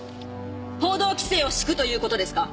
報道規制を敷くという事ですか？